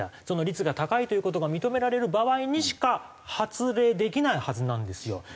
その率が高いという事が認められる場合にしか発令できないはずなんですよ。